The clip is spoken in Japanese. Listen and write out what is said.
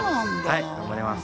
はい頑張ります。